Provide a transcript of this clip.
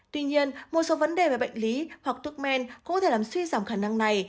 tuy nhiên một số vấn đề về bệnh lý hoặc thuốc men cũng có thể làm suy giảm khả năng này